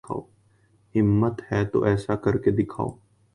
ہمت ہے تو ایسا کر کے دکھاؤ